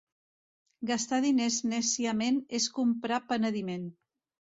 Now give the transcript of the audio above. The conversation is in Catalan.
Gastar diners nèciament és comprar penediment.